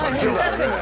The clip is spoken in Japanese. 確かに。